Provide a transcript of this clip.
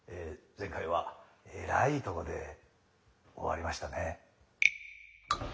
前回はえらいとこで終わりましたね。